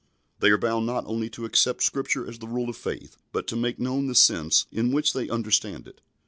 They are bound not only to accept Scripture as the rule of faith, but to make known the sense in which they understand it.